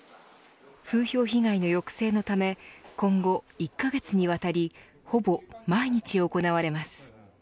風評被害の抑制のため今後１カ月にわたりほぼ毎日行われます。